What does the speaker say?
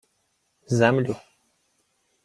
— Землю...